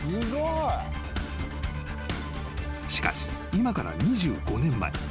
［しかし今から２５年前。